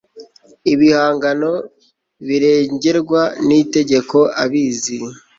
ibihangano birengerwa n Itegeko abizi